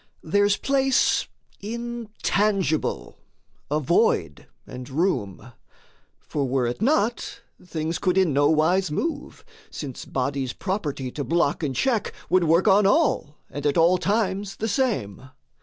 There's place intangible, a void and room. For were it not, things could in nowise move; Since body's property to block and check Would work on all and at an times the same.